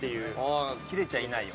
「キレちゃいないよ」。